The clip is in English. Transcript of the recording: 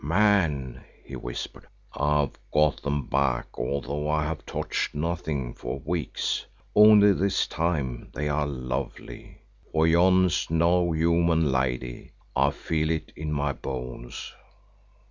"Man," he whispered, "I've got them back although I have touched nothing for weeks, only this time they are lovely. For yon's no human lady, I feel it in my bones."